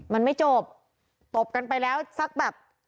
มันไม่จบตบกันไปแล้วสักแบบ